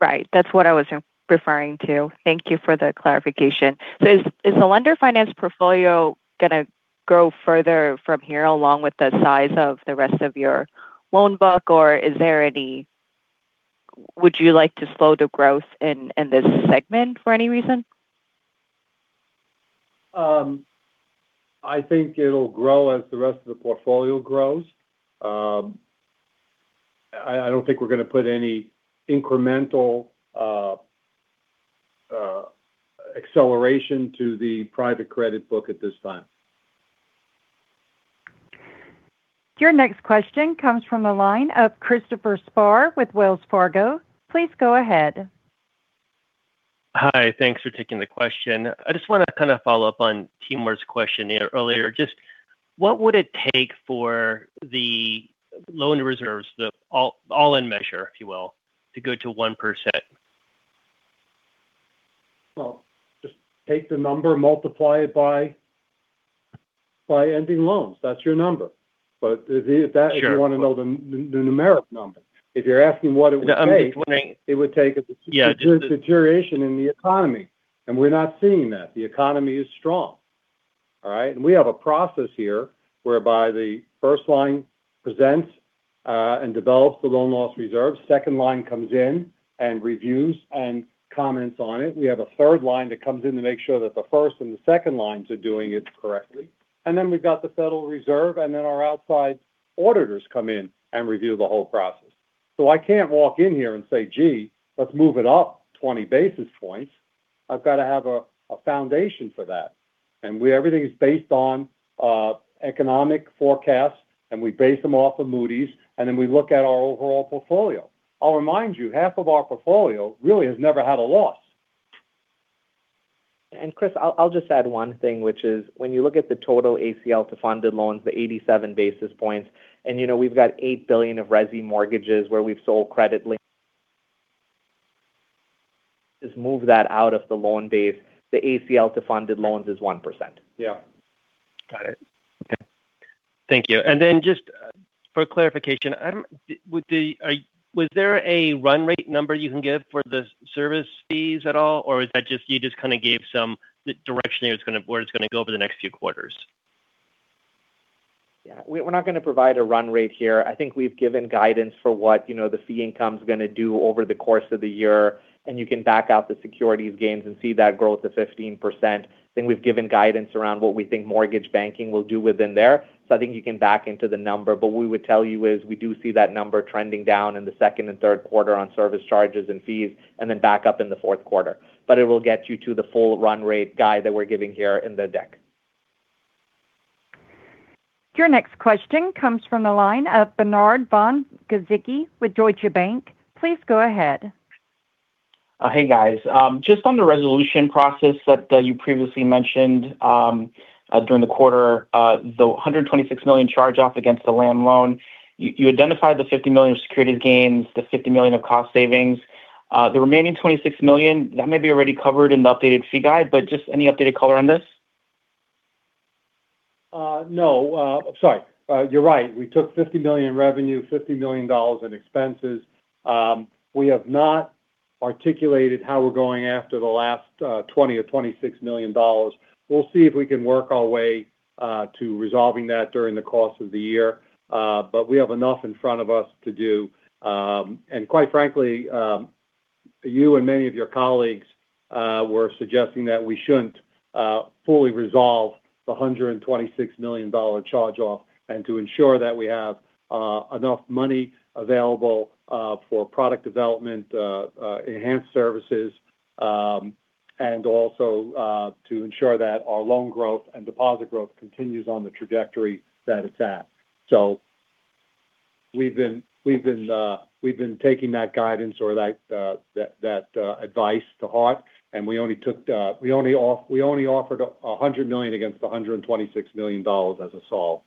Right. That's what I was referring to. Thank you for the clarification. Is the lender finance portfolio going to grow further from here along with the size of the rest of your loan book? Would you like to slow the growth in this segment for any reason? I think it'll grow as the rest of the portfolio grows. I don't think we're going to put any incremental acceleration to the private credit book at this time. Your next question comes from the line of Christopher Spahr with Wells Fargo. Please go ahead. Hi. Thanks for taking the question. I just want to kind of follow up on Timur's question earlier. Just what would it take for the loan reserves, the all-in measure, if you will, to go to 1%? Well, just take the number, multiply it by ending loans. That's your number. Sure. If you want to know the numeric number. If you're asking what it would take. No, I'm just wondering. It would take a deterioration in the economy, and we're not seeing that. The economy is strong. All right? We have a process here whereby the first line presents and develops the loan loss reserve. Second line comes in and reviews and comments on it. We have a third line that comes in to make sure that the first and the second lines are doing it correctly. We've got the Federal Reserve, and then our outside auditors come in and review the whole process. I can't walk in here and say, "Gee, let's move it up 20 basis points." I've got to have a foundation for that. Everything is based on economic forecasts, and we base them off of Moody's, and then we look at our overall portfolio. I'll remind you, half of our portfolio really has never had a loss. Chris, I'll just add one thing, which is when you look at the total ACL to funded loans, the 87 basis points, and we've got $8 billion of resi mortgages where we've sold credit-linked notes. Just move that out of the loan base. The ACL to funded loans is 1%. Yeah. Got it. Okay. Thank you. Just for clarification, was there a run rate number you can give for the service fees at all? Or you just kind of gave some direction where it's going to go over the next few quarters? Yeah. We're not going to provide a run rate here. I think we've given guidance for what the fee income is going to do over the course of the year, and you can back out the securities gains and see that growth of 15%. I think we've given guidance around what we think mortgage banking will do within there. I think you can back into the number. We would tell you is we do see that number trending down in the second and third quarter on service charges and fees, and then back up in the fourth quarter. It will get you to the full run rate guide that we're giving here in the deck. Your next question comes from the line of Bernard Von Gizycki with Deutsche Bank. Please go ahead. Hey, guys. Just on the resolution process that you previously mentioned during the quarter. The $126 million charge-off against the land loan, you identified the $50 million of securities gains, the $50 million of cost savings. The remaining $26 million, that may be already covered in the updated fee guide, but just any updated color on this? No. Sorry. You're right. We took $50 million in revenue, $50 million in expenses. We have not articulated how we're going after the last $20 or $26 million. We'll see if we can work our way to resolving that during the course of the year. We have enough in front of us to do. Quite frankly, you and many of your colleagues were suggesting that we shouldn't fully resolve the $126 million charge-off and to ensure that we have enough money available for product development, enhanced services, and also to ensure that our loan growth and deposit growth continues on the trajectory that it's at. We've been taking that guidance or that advice to heart. We only offered $100 million against the $126 million as a solve.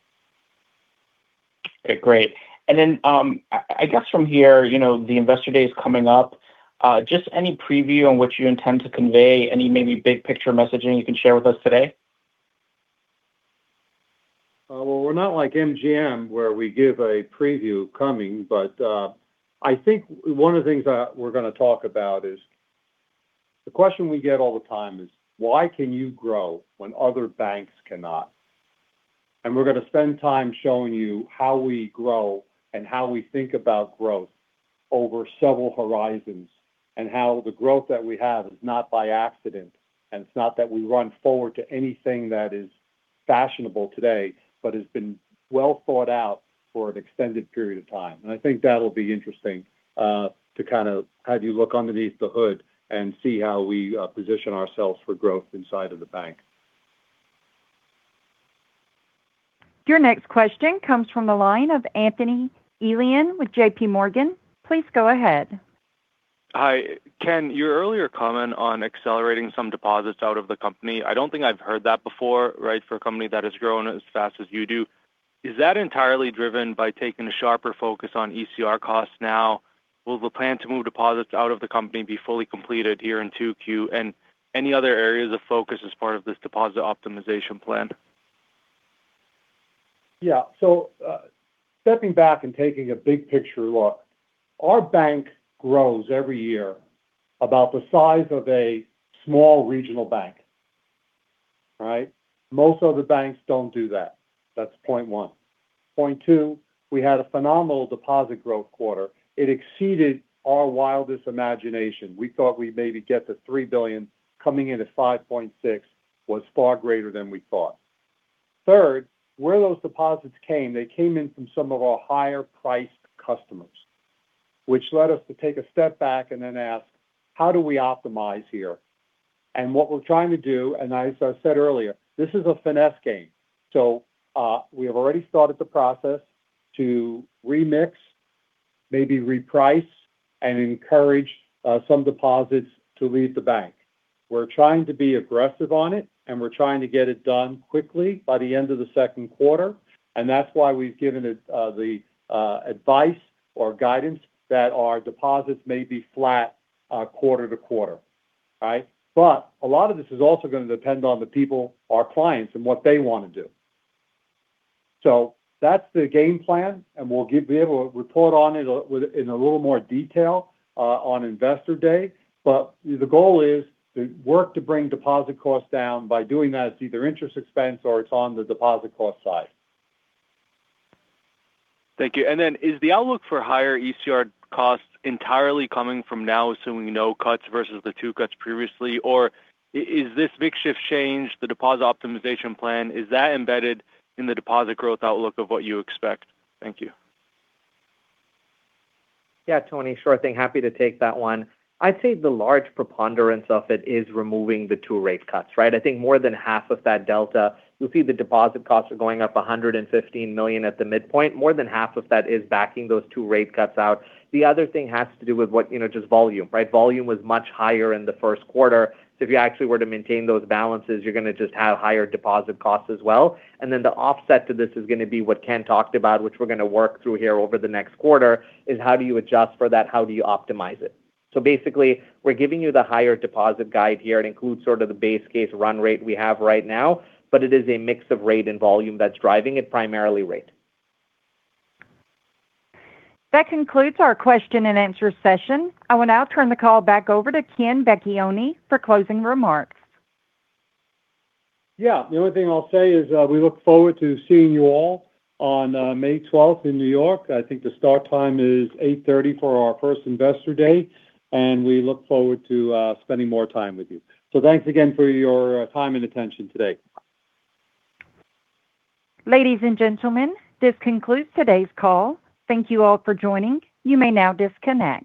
Okay, great. I guess from here, the Investor Day is coming up. Just any preview on what you intend to convey, any maybe big-picture messaging you can share with us today? Well, we're not like MGM, where we give a preview coming, but I think one of the things that we're going to talk about is the question we get all the time is why can you grow when other banks cannot? We're going to spend time showing you how we grow and how we think about growth over several horizons and how the growth that we have is not by accident. It's not that we run forward to anything that is fashionable today, but has been well thought out for an extended period of time. I think that'll be interesting to kind of have you look underneath the hood and see how we position ourselves for growth inside of the bank. Your next question comes from the line of Anthony Elian with J.P. Morgan. Please go ahead. Hi. Ken, your earlier comment on accelerating some deposits out of the company. I don't think I've heard that before, right, for a company that has grown as fast as you do. Is that entirely driven by taking a sharper focus on ECR costs now? Will the plan to move deposits out of the company be fully completed here in 2Q? Any other areas of focus as part of this deposit optimization plan? Yeah. Stepping back and taking a big picture look, our bank grows every year about the size of a small regional bank, right? Most other banks don't do that. That's point one. Point two, we had a phenomenal deposit growth quarter. It exceeded our wildest imagination. We thought we'd maybe get to $3 billion. Coming in at $5.6 billion was far greater than we thought. Third, where those deposits came, they came in from some of our higher priced customers, which led us to take a step back and then ask, "How do we optimize here?" What we're trying to do, and as I said earlier, this is a finesse game. We have already started the process to remix, maybe reprice, and encourage some deposits to leave the bank. We're trying to be aggressive on it, and we're trying to get it done quickly by the end of the second quarter. That's why we've given the advice or guidance that our deposits may be flat quarter to quarter. Right? A lot of this is also going to depend on the people, our clients, and what they want to do. That's the game plan, and we'll be able to report on it in a little more detail on Investor Day. The goal is to work to bring deposit costs down. By doing that, it's either interest expense or it's on the deposit cost side. Thank you. Is the outlook for higher ECR costs entirely coming from now assuming no cuts versus the two cuts previously? Is this big shift change, the deposit optimization plan, embedded in the deposit growth outlook of what you expect? Thank you. Yeah, Tony. Sure thing. Happy to take that one. I'd say the large preponderance of it is removing the 2 rate cuts, right? I think more than half of that delta, you'll see the deposit costs are going up $115 million at the midpoint. More than half of that is backing those 2 rate cuts out. The other thing has to do with just volume, right? Volume was much higher in the first quarter. If you actually were to maintain those balances, you're going to just have higher deposit costs as well. The offset to this is going to be what Ken talked about, which we're going to work through here over the next quarter, is how do you adjust for that? How do you optimize it? Basically, we're giving you the higher deposit guide here. It includes sort of the base case run rate we have right now. It is a mix of rate and volume that's driving it, primarily rate. That concludes our question and answer session. I will now turn the call back over to Ken Vecchione for closing remarks. Yeah. The only thing I'll say is we look forward to seeing you all on May 12th in New York. I think the start time is 8:30 A.M. for our first Investor Day, and we look forward to spending more time with you. Thanks again for your time and attention today. Ladies and gentlemen, this concludes today's call. Thank you all for joining. You may now disconnect.